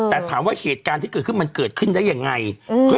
แต่ถามว่าเหตุการณ์ที่เกิดขึ้นมันเกิดขึ้นได้ยังไง